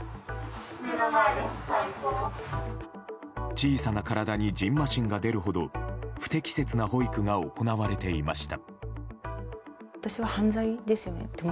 小さな体にじんましんが出るほど不適切な保育が行われていました。